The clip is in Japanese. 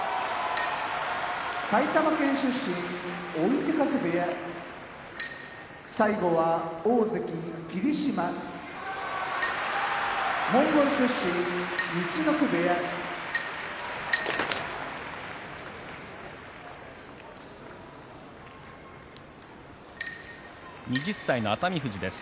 埼玉県出身追手風部屋大関・霧島モンゴル出身陸奥部屋２０歳の熱海富士です。